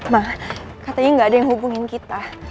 ma katanya enggak ada yang hubungi kita